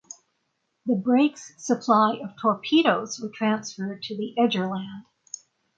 The "Brake"s supply of torpedoes were transferred to the "Egerland".